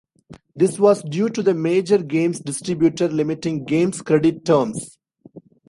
This was due to the major games distributor limiting Game's credit terms.